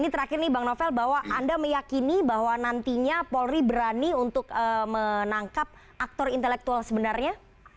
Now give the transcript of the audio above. terakhir nih bang novel bahwa anda meyakini bahwa nantinya polri berani untuk menangkap aktor intelektual sebenarnya